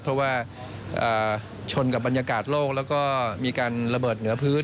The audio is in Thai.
เพราะว่าชนกับบรรยากาศโลกแล้วก็มีการระเบิดเหนือพื้น